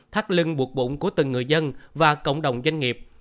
thắt lưng buộc bụng của từng người dân và cộng đồng doanh nghiệp